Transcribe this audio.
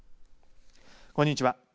こんにちは。